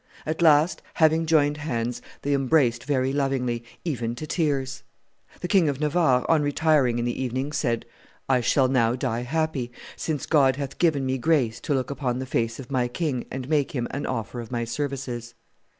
At last, having joined hands, they embraced very lovingly, even to tears. The King of Navarre, on retiring in the evening, said, 'I shall now die happy, since God hath given me grace to look upon the face of my king and make him an offer of my services.